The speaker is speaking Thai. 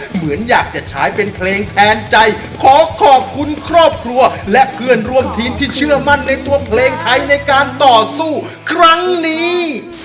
เหมือนอยากจะใช้เป็นเพลงแทนใจขอขอบคุณครอบครัวและเพื่อนร่วมทีมที่เชื่อมั่นในตัวเพลงไทยในการต่อสู้ครั้งนี้